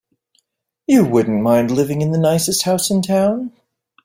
You wouldn't mind living in the nicest house in town.